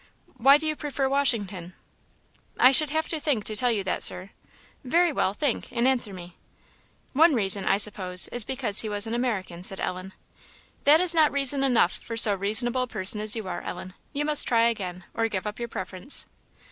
"Why do you prefer Washington?" "I should have to think to tell you that, Sir." "Very well, think, and answer me." "One reason, I suppose, is because he was an American," said Ellen. "That is not reason enough for so reasonable a person as you are, Ellen; you must try again, or give up your preference."